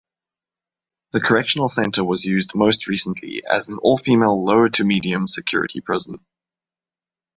The correctional centre was used most recently as an all-female low-to-medium security prison.